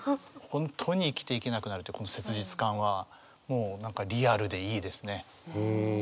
本当に生きていけなくなるというこの切実感はもう何かリアルでいいですね。